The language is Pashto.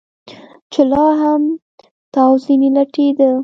چې لا هم تاو ځنې لټېده.